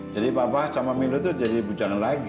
jadi papa sama milo tuh jadi bujangan lagi